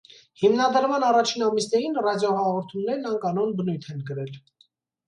Հիմնադրման առաջին ամիսներին ռադիոհաղորդումներն անկանոն բնույթ են կրել։